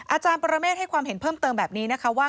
อาจารย์ปรเมฆให้ความเห็นเพิ่มเติมแบบนี้นะคะว่า